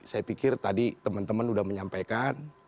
saya pikir tadi teman teman sudah menyampaikan